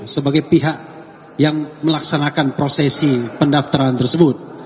sebagai pihak yang melaksanakan prosesi pendaftaran tersebut